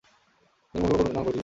তিনি "movie mogul" নামে পরিচিত ছিলেন।